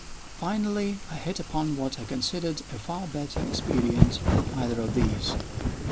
Finally I hit upon what I considered a far better expedient than either of these.